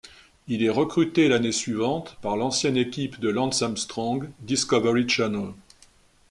Il est recruté l'année suivante par l'ancienne équipe de Lance Armstrong, Discovery Channel.